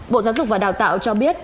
bộ giáo dục và đào tạo cho biết